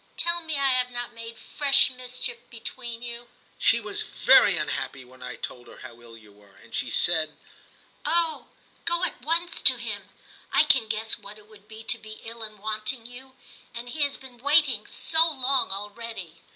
Tell me I have not made fresh mis chief between you ?'* She was very unhappy when I told her how ill you were, and she said, " Oh ! go at once to him ; I can guess what it would be to be ill and wanting you ; and he has been waiting so long already."